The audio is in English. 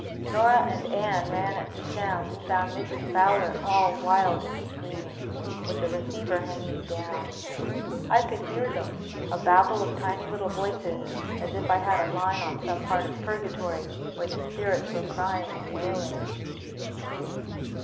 Nora and Anne ran at the sound and found Mrs. Fowler all wild and screaming, with the receiver hanging down. I could hear them, a babble of tiny little voices as if I had a line on some part of Purgatory where the spirits were crying and wailing.